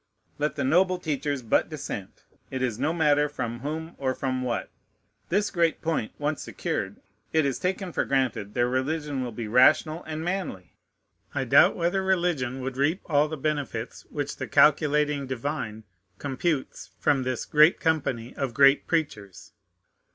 Let the noble teachers but dissent, it is no matter from whom or from what. This great point once secured, it is taken for granted their religion will be rational and manly. I doubt whether religion would reap all the benefits which the calculating divine computes from this "great company of great preachers."